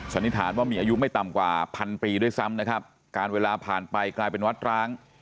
สันนิษฐานว่ามีอายุไม่ต่ำกว่าพันปีด้วยซ้ำนะครับการเวลาผ่านไปกลายเป็นวัดร้าง